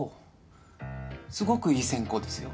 すごくいい先公ですよ。